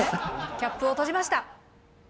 キャップを閉じました。